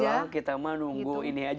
yaudah lah kita mah nunggu